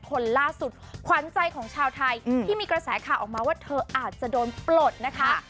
คนล่าสุดขวัญใจของชาวไทยที่มีกระแสข่าวออกมาว่าเธออาจจะโดนปลดนะคะ